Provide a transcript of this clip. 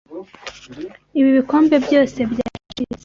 Ibi bikombe byose byacitse.